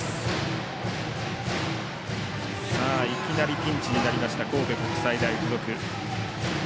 いきなりピンチになった神戸国際大付属。